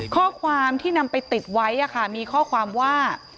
ข้อความที่นำไปติดไว้มีข้อความว่า